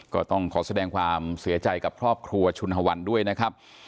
ก็ต้องขอแสดงความเสียใจกับครอบครัวชุนฮวันด้วยนะครับ